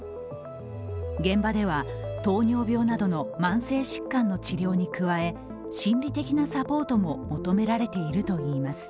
現場では糖尿病などの慢性疾患の治療に加え心理的なサポートも求められているといいます。